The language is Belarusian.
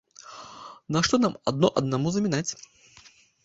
Нашто нам адно аднаму замінаць?